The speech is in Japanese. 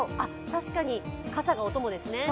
確かに傘がお供ですね。